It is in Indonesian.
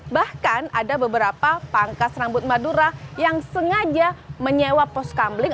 bahkan ada beberapa pangkas rambut madura yang sengaja menyewa pos kamling